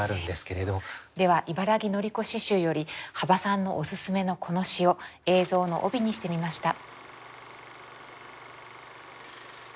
では茨木のり子詩集より幅さんのオススメのこの詩を映像の帯にしてみました。